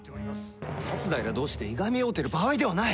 松平同士でいがみ合うてる場合ではない。